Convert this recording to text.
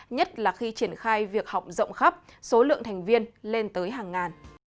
nhất là khi triển khai việc học rộng khắp số lượng thành viên lên tới hàng ngàn